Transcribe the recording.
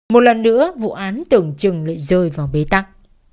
một lần nữa vụ án tưởng chừng lại rơi vào bế tắc